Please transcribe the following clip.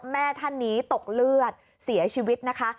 แม่ท่านนี้ตกเลือดเสียชีวิตนะคะ